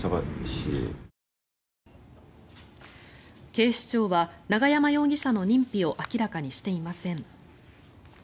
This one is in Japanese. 警視庁は永山容疑者の認否を明らかにしていません。